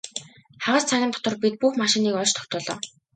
Хагас цагийн дотор бид бүх машиныг олж тогтоолоо.